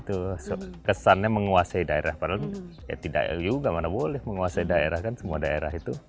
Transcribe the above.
itu kesannya menguasai daerah padahal ya tidak juga mana boleh menguasai daerah kan semua daerah itu